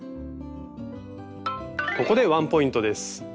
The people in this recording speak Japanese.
ここでワンポイントです。